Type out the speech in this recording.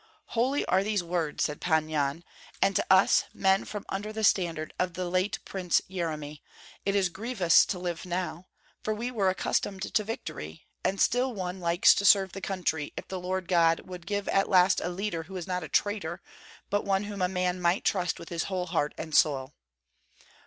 "Holy are these words," said Pan Yan. "And to us, men from under the standard of the late Prince Yeremi, it is grievous to live now, for we were accustomed to victory; and still one likes to serve the country, if the Lord God would give at last a leader who is not a traitor, but one whom a man might trust with his whole heart and soul."